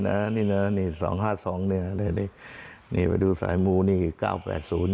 นี่ไปดูสายมูลนี่๙๘๐นี่ครับ